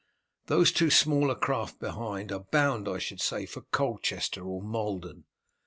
Those two smaller craft behind are bound, I should say, for Colchester or Maldon.